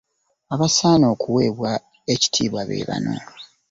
Abasaana okuweebwa ekitiibwa be bano.